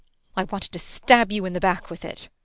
I wanted to stab you in the back with it.